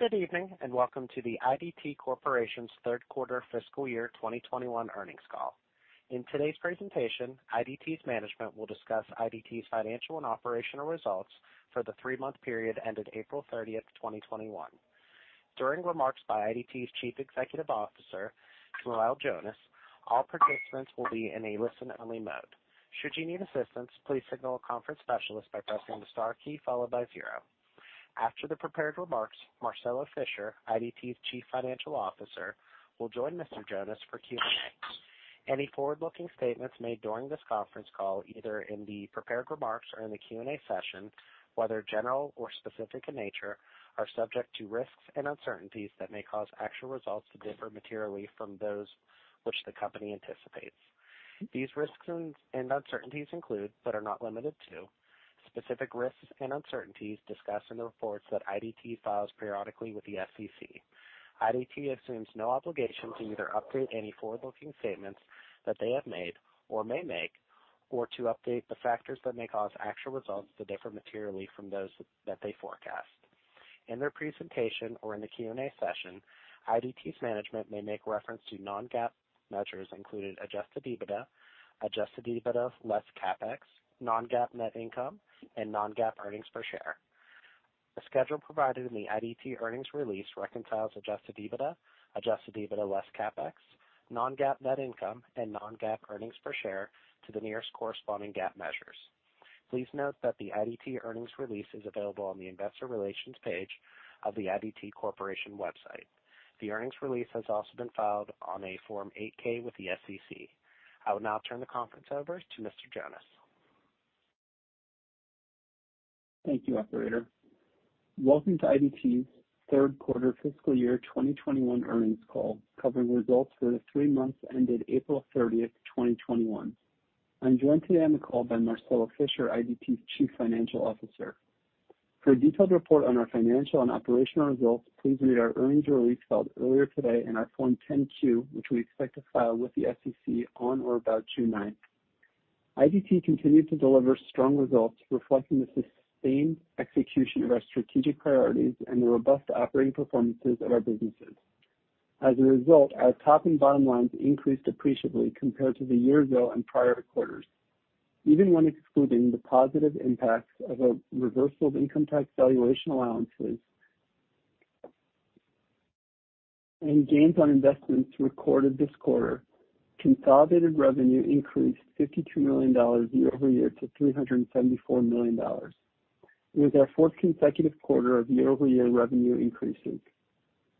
Good evening, welcome to the IDT Corporation's third quarter fiscal year 2021 earnings call. In today's presentation, IDT's management will discuss IDT's financial and operational results for the three-month period ended April 30th, 2021. During remarks by IDT's Chief Executive Officer, Shmuel Jonas, all participants will be in a listen-only mode. Should you need assistance, please signal a conference specialist by pressing the star key followed by zero. After the prepared remarks, Marcelo Fischer, IDT's Chief Financial Officer, will join Mr. Jonas for Q&A. Any forward-looking statements made during this conference call, either in the prepared remarks or in the Q&A session, whether general or specific in nature, are subject to risks and uncertainties that may cause actual results to differ materially from those which the company anticipat These risks and uncertainties include, but are not limited to, specific risks and uncertainties discussed in the reports that IDT files periodically with the SEC. IDT assumes no obligation to either update any forward-looking statements that they have made or may make, or to update the factors that may cause actual results to differ materially from those that they forecast. In their presentation or in the Q&A session, IDT's management may make reference to non-GAAP measures including adjusted EBITDA, adjusted EBITDA less CapEx, non-GAAP net income, and non-GAAP earnings per share. A schedule provided in the IDT earnings release reconciles adjusted EBITDA, adjusted EBITDA less CapEx, non-GAAP net income, and non-GAAP earnings per share to the nearest corresponding GAAP measures. Please note that the IDT earnings release is available on the investor relations page of the IDT Corporation website. The earnings release has also been filed on a Form 8-K with the SEC. I will now turn the conference over to Mr. Jonas. Thank you, operator. Welcome to IDT's third quarter fiscal year 2021 earnings call, covering results for the three months ended April 30th, 2021. I'm joined today on the call by Marcelo Fischer, IDT's Chief Financial Officer. For a detailed report on our financial and operational results, please read our earnings release filed earlier today in our Form 10-Q, which we expect to file with the SEC on or about June 9th. IDT continued to deliver strong results, reflecting the sustained execution of our strategic priorities and the robust operating performances of our businesses. As a result, our top and bottom lines increased appreciably compared to the year ago and prior quarters. Even when excluding the positive impacts of a reversal of income tax valuation allowances and gains on investments recorded this quarter, consolidated revenue increased $52 million year-over-year to $374 million. It was our fourth consecutive quarter of year-over-year revenue increases,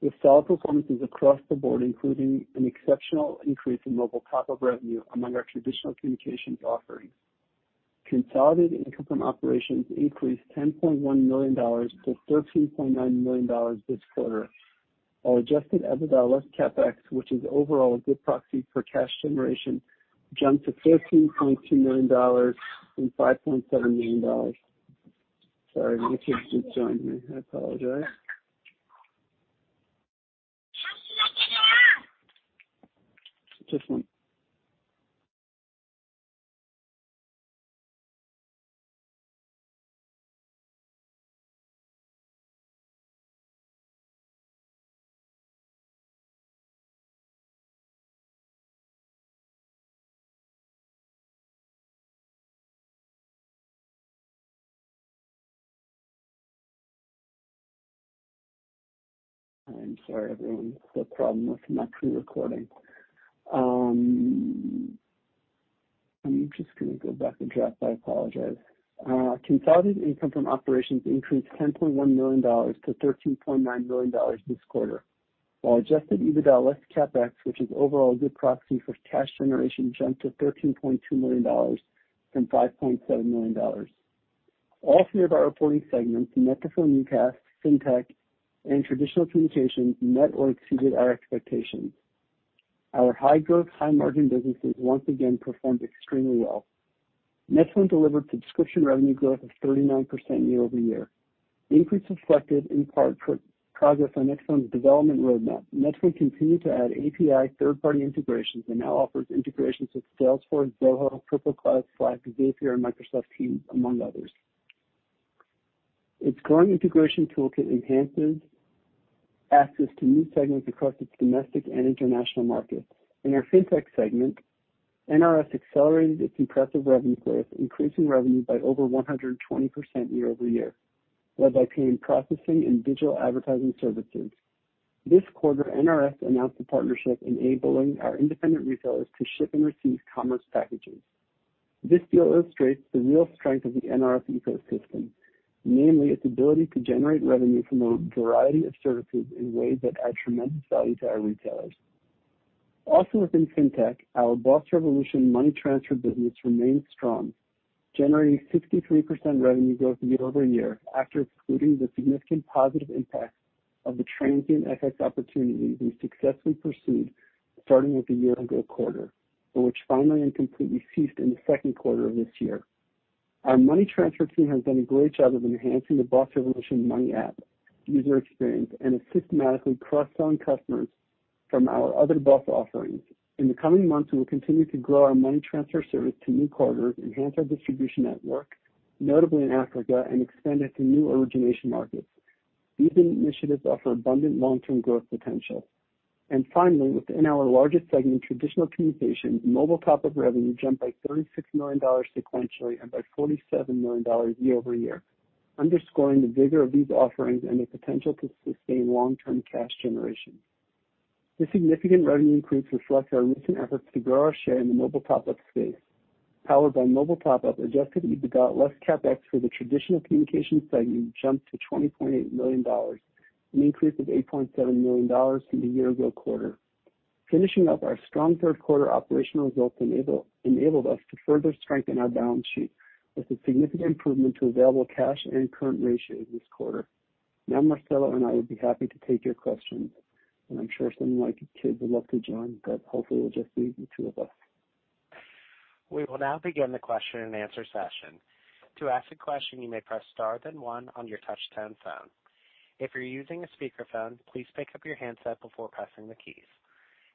with solid performances across the board, including an exceptional increase in mobile top-up revenue among our traditional communications offerings. Consolidated income from operations increased $10.1 million to $13.9 million this quarter, while adjusted EBITDA less CapEx, which is overall a good proxy for cash generation, jumped to $13.2 million from $5.7 million. Sorry, my kids just joined me. I apologize. I'm sorry, everyone. Still a problem with my pre-recording. I'm just going to go back and try. I apologize. Consolidated income from operations increased $10.1 million to $13.9 million this quarter, while adjusted EBITDA less CapEx, which is overall a good proxy for cash generation, jumped to $13.2 million from $5.7 million. All three of our reporting segments, net2phone, Fintech, and traditional communications net worth exceeded our expectations. Our high-growth, high-margin businesses once again performed extremely well. Net2phone delivered subscription revenue growth of 39% year-over-year. The increase reflected in part progress on net2phone's development roadmap. Net2phone continued to add API third-party integrations and now offers integrations with Salesforce, Zoho, PurpleCloud, Slack, Zapier, and Microsoft Teams, among others. Its growing integration toolkit enhances access to new segments across its domestic and international markets. In our Fintech segment, NRS accelerated its impressive revenue growth, increasing revenue by over 120% year-over-year, led by payment processing and digital advertising services. This quarter, NRS announced a partnership enabling our independent retailers to ship and receive commerce packages. This illustrates the real strength of the NRS ecosystem, namely, its ability to generate revenue from a variety of services in ways that add tremendous value to our retailers. Within Fintech, our BOSS Revolution money transfer business remained strong, generating 63% revenue growth year-over-year after excluding the significant positive impact of the transient FX opportunity we successfully pursued starting with the year ago quarter, and which finally and completely ceased in the second quarter of this year. Our money transfer team has done a great job of enhancing the BOSS Revolution Money app user experience and it systematically cross-sells customers from our other BOSS offerings. In the coming months, we will continue to grow our money transfer service to new corridors, enhance our distribution network, notably in Africa, and expand into new origination markets. These initiatives offer abundant long-term growth potential. Finally, within our largest segment, traditional communications, mobile top-up revenue jumped by $36 million sequentially and by $47 million year-over-year, underscoring the vigor of these offerings and the potential to sustain long-term cash generation. The significant revenue increase reflects our recent efforts to grow our share in the mobile top-up space. Powered by mobile top-up, adjusted EBITDA, less CapEx, for the traditional communications segment jumped to $20.8 million, an increase of $8.7 million from a year ago quarter. Finishing up our strong third quarter operational results enabled us to further strengthen our balance sheet with a significant improvement to available cash and current ratio this quarter. Marcelo and I would be happy to take your questions, and I'm sure some of my kids would love to join, but hopefully it'll just be the two of us. We will now begin the question and answer session. To ask a question, you may press star then one on your touchtone phone. If you're using a speakerphone, please pick up your handset before pressing the keys.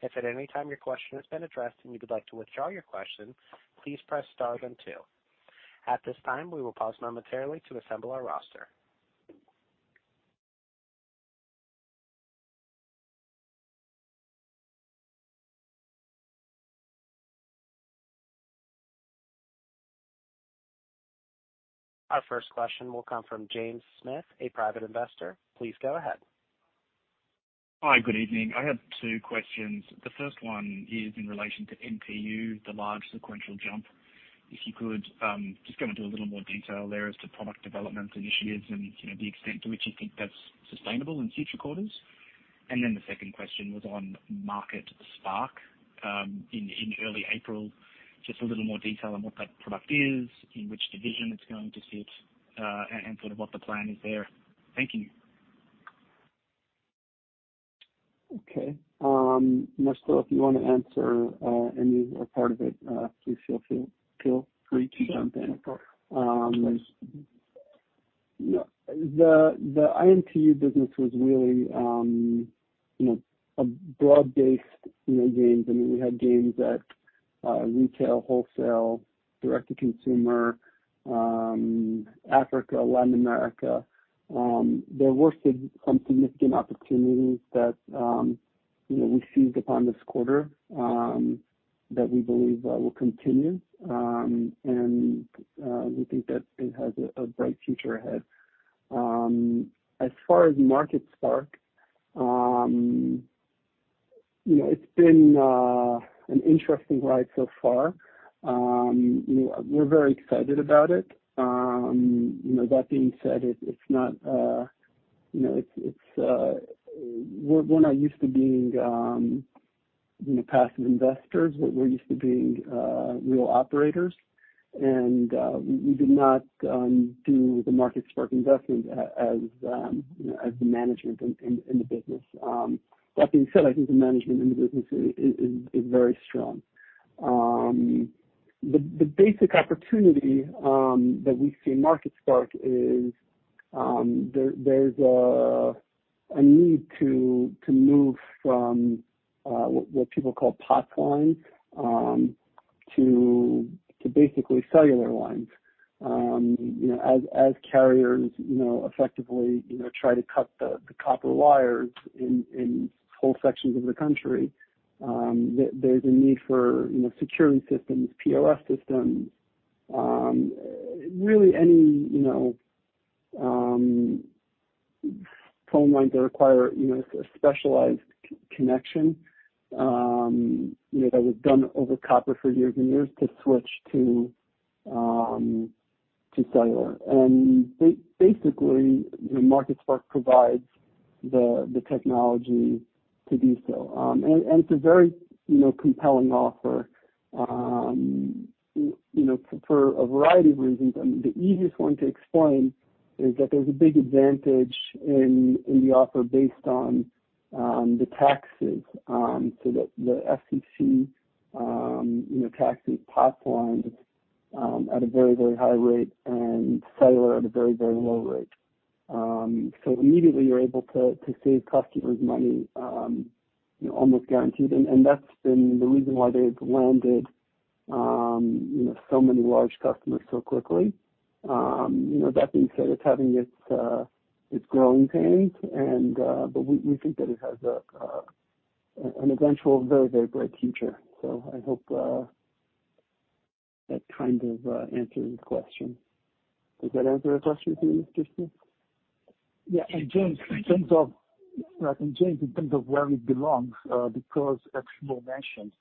If at any time your question has been addressed and you would like to withdraw your question, please press star then two. At this time, we will pause momentarily to assemble our roster. Our first question will come from James Smith, a private investor. Please go ahead. Hi, good evening. I have two questions. The first one is in relation to MTU, the large sequential jump. If you could just go into a little more detail there as to product development initiatives and the extent to which you think that's sustainable in future quarters. The second question was on MarketSpark in early April. Just a little more detail on what that product is, in which division it's going to sit, and sort of what the plan is there. Thank you. Okay. Marcelo, if you want to answer any part of it, please feel free to jump in. The IMTU business was really broad-based gains. We had gains at retail, wholesale, direct-to-consumer, Africa, Latin America. There were some significant opportunities that we seized upon this quarter that we believe will continue, and we think that it has a bright future ahead. As far as MarketSpark, it's been an interesting ride so far. We're very excited about it. That being said, we're not used to being passive investors. We're used to being real operators, and we do not do the MarketSpark investment as management in the business. That being said, I think the management in the business is very strong. The basic opportunity that we see in MarketSpark is there's a need to move from what people call POTS lines to basically cellular lines. As carriers effectively try to cut the copper wires in whole sections of the country, there's a need for securing systems, POS systems, really any phone line that require a specialized connection that was done over copper for years and years to switch to cellular. Basically, MarketSpark provides the technology to do so. It's a very compelling offer for a variety of reasons. I mean, the easiest one to explain is that there's a big advantage in the offer based on the taxes, so that the FCC taxes POTS lines at a very, very high rate and cellular at a very, very low rate. Immediately, you're able to save customers money, almost guaranteed. That's been the reason why they've landed so many large customers so quickly. That being said, it's having its growing pains, we think that it has an eventual very, very bright future. I hope that kind of answers the question. Does that answer the question for you, James? Yeah. James, in terms of where it belongs, because as you mentioned,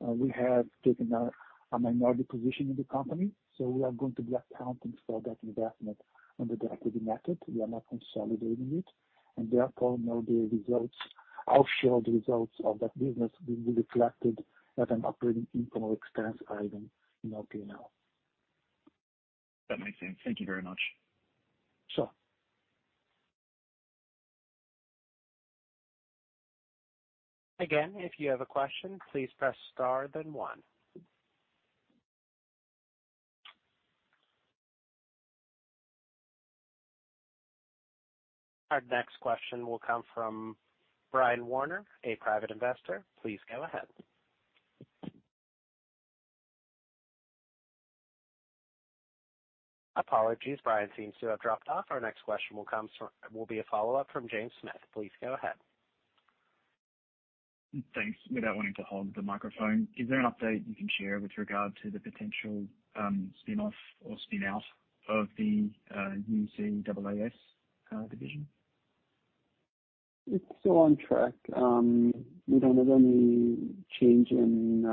we have taken a minority position in the company. We are going to be accounting for that investment under the equity method. We are not consolidating it, and therefore, now the results, our shared results of that business will be reflected as an operating income expense item. That makes sense. Thank you very much. Sure. Again, if you have a question, please press star then one. Our next question will come from Brian Warner, a private investor. Please go ahead. Apologies, Brian seems to have dropped off. Our next question will be a follow-up from James Smith. Please go ahead. Thanks. Without wanting to hog the microphone, is there an update you can share with regard to the potential spin-off or spin-out of the UCaaS division? It's still on track. We don't have any change in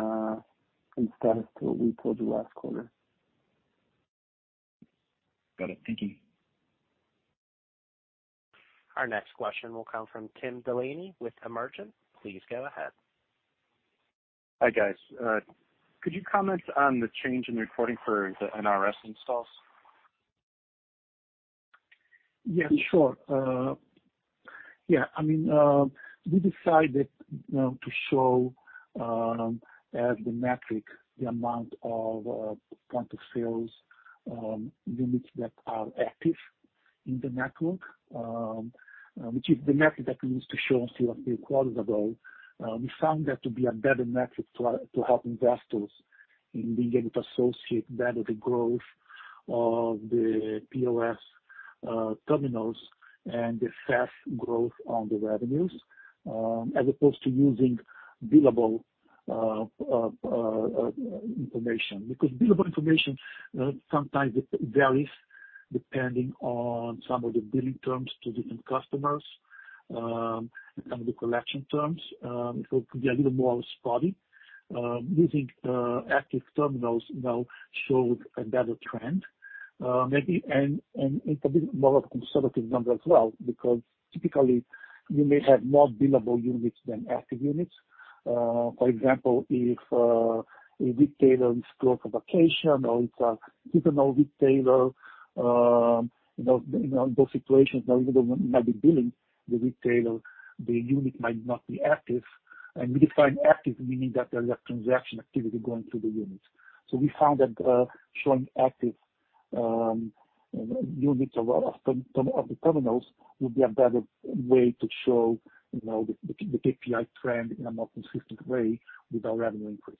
status to what we told you last quarter. Got it. Thank you. Our next question will come from Tim Delaney with Emergent. Please go ahead. Hi, guys. Could you comment on the change in reporting for the NRS installs? Yeah, sure. We decided to show as the metric the amount of point-of-sales units that are active in the network, which is the metric that we used to show a few quarters ago. We found that to be a better metric to help investors in being able to associate better the growth of the POS terminals and the fast growth on the revenues, as opposed to using billable information. Billable information sometimes varies depending on some of the billing terms to different customers, in terms of collection terms. It could be a little more spotty. We think active terminals now show a better trend, maybe, and it's a bit more of a conservative number as well, because typically you may have more billable units than active units. For example, if a retailer is closed for vacation, or it's a seasonal retailer, in those situations, even though you might be billing the retailer, the unit might not be active. We define active meaning that there's transaction activity going through the units. We found that showing active units of the terminals would be a better way to show the KPI trend in a more consistent way with our revenue increase.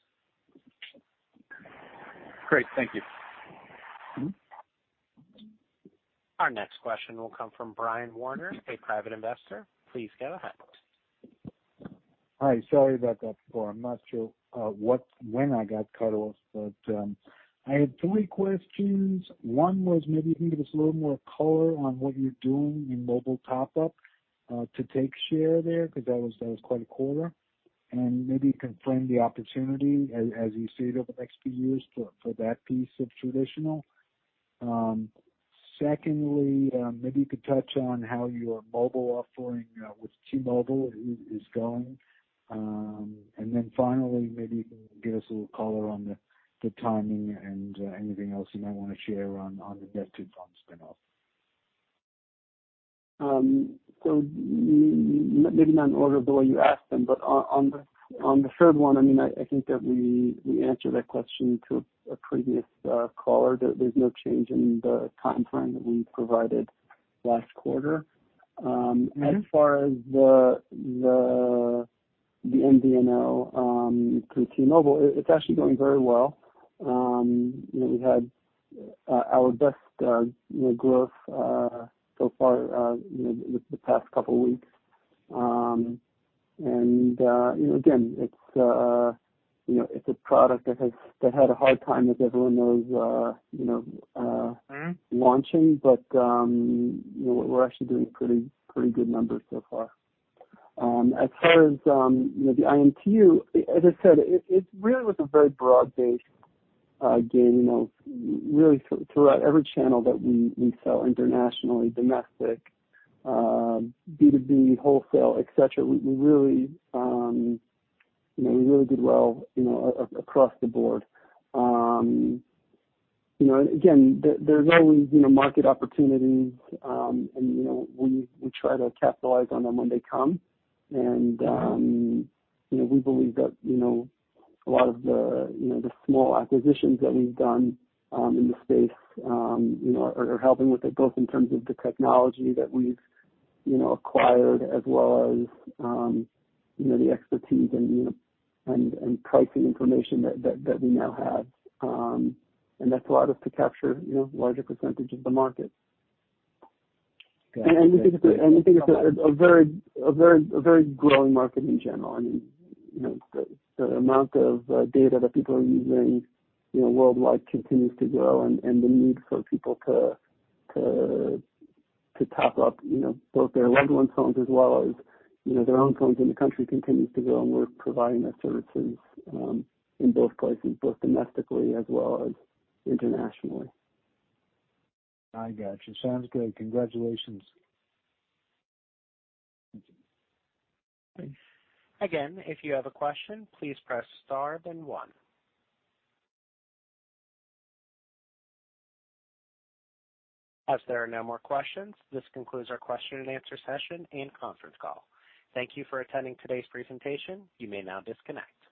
Great. Thank you. Our next question will come from Brian Warner, a private investor. Please go ahead. Hi. Sorry about that before. I'm not sure when I got cut off. I had three questions. One was maybe you can give us a little more color on what you're doing in mobile top-up to take share there, because that was quite a quarter. Maybe you can frame the opportunity as you see it over the next few years for that piece of traditional. Secondly, maybe you could touch on how your mobile offering with T-Mobile is going. Finally, maybe you can give us a little color on the timing and anything else you might want to share on the net2phone spin-off. Maybe not in order of the way you asked them, but on the third one, I think that we answered that question to a previous caller. There's no change in the timeframe that we provided last quarter. As far as the MVNO through T-Mobile, it's actually going very well. We had our best growth so far the past couple weeks. Again, it's a product that had a hard time, as everyone knows, launching. We're actually doing pretty good numbers so far. As far as the IMTU, as I said, it really was a very broad-based gain, really throughout every channel that we sell internationally, domestic, B2B, wholesale, et cetera. We really did well across the board. Again, there's always market opportunities, and we try to capitalize on them when they come. We believe that a lot of the small acquisitions that we've done in the space are helping with the growth in terms of the technology that we've acquired as well as the expertise and pricing information that we now have. That's allowed us to capture a larger percentage of the market. Got it. We think it's a very growing market in general. The amount of data that people are using worldwide continues to grow, and the need for people to top up both their loved ones' phones as well as their own phones in the country continues to grow, and we're providing that services in both places, both domestically as well as internationally. I got you. Sounds good. Congratulations. Thank you. Again, if you have a question, please press star then one. As there are no more questions, this concludes our question and answer session and conference call. Thank you for attending today's presentation. You may now disconnect.